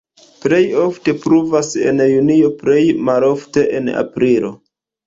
Plej ofte pluvas en junio, plej malofte en aprilo.